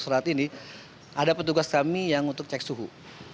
surat ini ada petugas kami yang untuk cek suhu